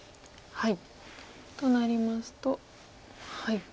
はい。